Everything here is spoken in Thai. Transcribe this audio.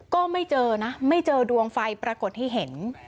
ก็ไม่เจอนะไม่เจอดวงไฟปรากฏให้เห็น